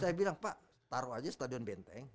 saya bilang pak taruh aja stadion benteng